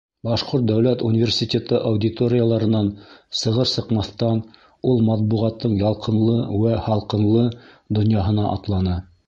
Башҡорт дәүләт университеты аудиторияларынан сығыр-сыҡмаҫтан ул матбуғаттың ялҡынлы үә һалҡынлы донъяһына атланы.